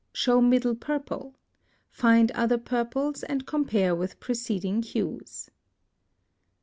Show MIDDLE PURPLE. Find other purples, „ with preceding hues.